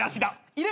いる。